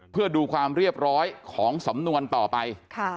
เพื่อดูความเรียบร้อยของสำนวนต่อไป